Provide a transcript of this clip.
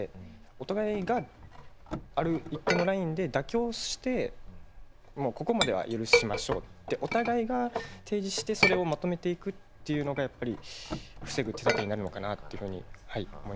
お互いがある一定のラインで妥協してもうここまでは許しましょうってお互いが提示してそれをまとめていくっていうのがやっぱり防ぐ手だてになるのかなっていうふうにはい思います。